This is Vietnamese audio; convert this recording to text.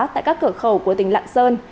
tại các cửa khẩu của tỉnh lạng sơn